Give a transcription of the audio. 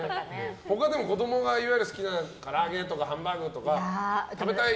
他、子供が好きなから揚げとかハンバーグとか食べたい！